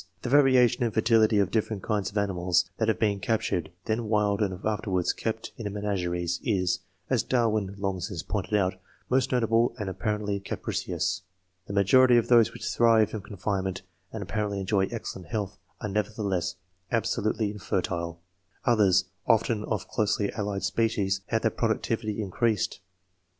The variation in fertility of different kinds of animals that have been captured when wild and afterwards kept in menageries is, as Darwin long since pointed out, most notable and appar ently capricious. The majority of those which thrive in con finement, and apparently enjoy excellent health, are never theless absolutely infertile ; others, often of closely allied species, have their productivity increased.